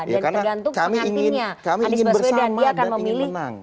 ya karena kami ingin bersama dan ingin menang